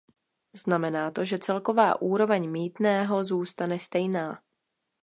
Znamená to, že celková úroveň mýtného zůstane stejná.